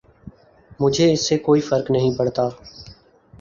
مجھے اس سے کوئی فرق نہیں پڑتا۔